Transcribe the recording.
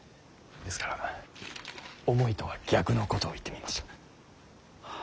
ですから思いとは逆のことを言ってみました。